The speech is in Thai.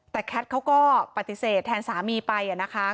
แต่แคทเขาก็ปฏิเสธแทนสามีไปนะคะ